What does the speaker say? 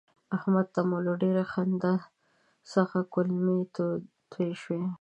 احمد ته مو له ډېرې خندا څخه کولمې توی شوې.